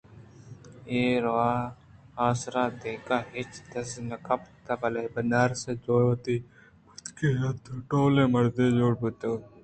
اے رو ءُآ ءِ آسر دگہ ہچ دز نہ کپت بلئے بناربس چہ وتی بچکی ءَ در اتک ءُٹوہیں مردمے جوڑ بوتگ اَت